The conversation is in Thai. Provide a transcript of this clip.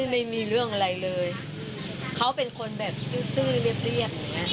ไม่มีเรื่องอะไรเลยเขาเป็นคนแบบตื้อเรียบอย่างเงี้